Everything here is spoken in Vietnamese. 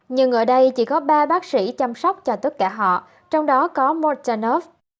nhưng ở đây chỉ có ba bác sĩ chăm sóc cho tất cả họ trong đó có mochenov